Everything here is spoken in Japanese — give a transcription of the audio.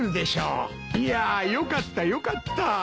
いやよかったよかった。